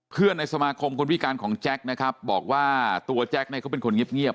ในสมาคมคนพิการของแจ็คนะครับบอกว่าตัวแจ็คเนี่ยเขาเป็นคนเงียบ